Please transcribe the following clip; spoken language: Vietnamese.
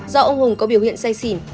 do ông hùng có biểu hiện say xỉn